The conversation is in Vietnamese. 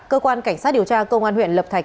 cơ quan cảnh sát điều tra công an huyện lập thạch